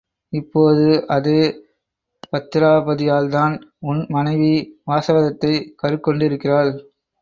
இப்போது அதே பத்திராபதியால்தான் உன் மனைவி வாசவதத்தை கருக் கொண்டிருக்கிறாள்.